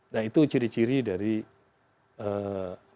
nah itu ciri ciri dari mata uang